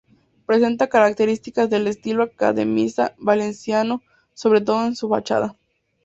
Presenta características del estilo academicista valenciano, sobre todo en su fachada.